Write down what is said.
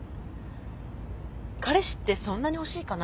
彼氏ってそんなに欲しいかな？